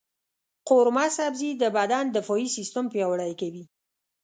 قورمه سبزي د بدن دفاعي سیستم پیاوړی کوي.